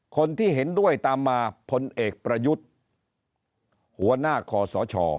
คนที่เห็นด้วยตามมาพลเอกประยุทธ์หัวหน้าคอสช